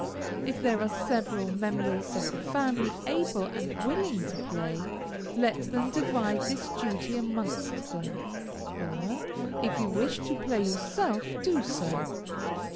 If there are several members of the family able and willing to play, let them divide this duty amongst them, or, if you wish to play yourself, do so.